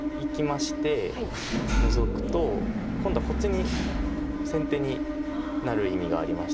ノゾくと今度はこっちに先手になる意味がありまして。